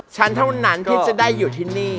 ฉันเท่านั้นที่จะได้อยู่ที่นี่